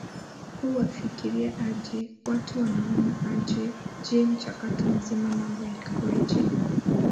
u wanafikiria aje watu wanaona je je mchakato mzima mambo yalikuwaje